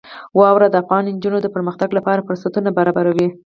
واوره د افغان نجونو د پرمختګ لپاره فرصتونه برابروي.